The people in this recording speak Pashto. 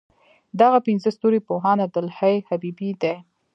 دغه پنځه ستوري پوهاند عبدالحی حبیبي دی.